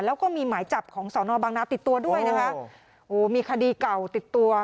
แล้วก็มีหมายจับของสอนอบางนาติดตัวด้วยนะคะโอ้มีคดีเก่าติดตัว